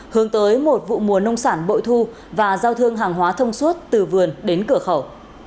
hướng tới một vụ mùa nông sản bội thu và giao thương hàng hóa thông suốt từ vườn đến cửa khẩu